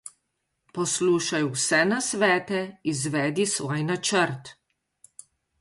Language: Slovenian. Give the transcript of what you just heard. Poslušaj vse nasvete, izvedi svoj načrt.